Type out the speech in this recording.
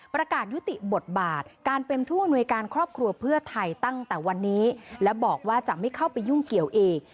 ประกาศยุติบทบาทการเป็นผู้อำนวยการครอบครัวเพื่อไทยตั้งแต่วันนี้และบอกว่าจะไม่เข้าไปยุ่งเกี่ยวอีก